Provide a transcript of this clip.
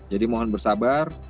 jadi mohon bersabar